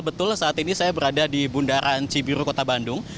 betul saat ini saya berada di bundaran cibiru kota bandung